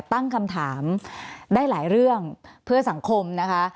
ตั้งคำถามได้หลายเรื่องเพื่อสังคมนะคะ